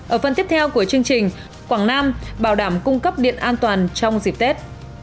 ở phần tiếp theo của chương trình quảng nam bảo đảm cung cấp điện an toàn trong dịp tết